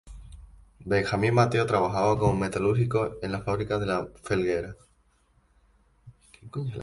Benjamín Mateo trabajaba como metalúrgico en la Fábrica de La Felguera.